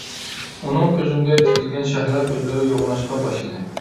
ئۇنىڭ كۆزۈمگە تىكىلگەن شەھلا كۆزلىرى يوغىناشقا باشلىدى.